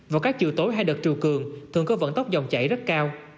vào các chiều tối hay đợt triều cường thường có vận tốc dòng chảy rất cao